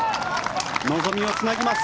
望みをつなぎます。